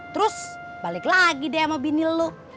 terus balik lagi deh sama bini lo